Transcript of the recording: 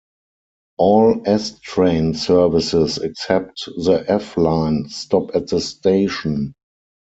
All S-train services except the F-line stop at the station.